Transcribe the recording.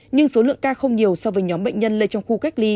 nhưng số lượng ca không nhiều so với nhóm bệnh nhân lây trong khu cách ly